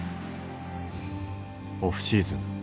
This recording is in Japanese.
オフシーズン